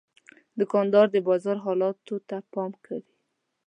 دوکاندار د بازار حالاتو ته پام کوي.